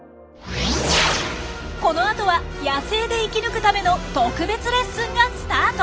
このあとは野生で生き抜くための特別レッスンがスタート！